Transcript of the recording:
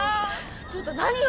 ちょっと何よ？